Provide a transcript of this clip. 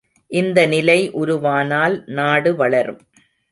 இந்த நிலை உருவானால் நாடு வளரும்!